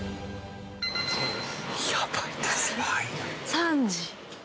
３時。